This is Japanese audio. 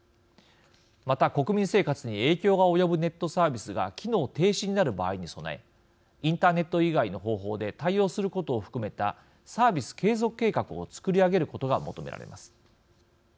また、国民生活に影響が及ぶネットサービスが機能停止になる場合に備えインターネット以外の方法で対応することを含めたサービス継続計画を作り上げることが求められます。